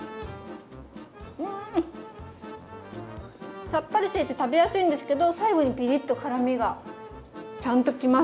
うん！さっぱりしていて食べやすいんですけど最後にピリッと辛みがちゃんときますね。